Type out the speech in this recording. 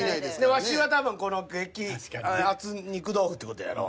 ワシは多分この激熱肉豆腐って事やろ？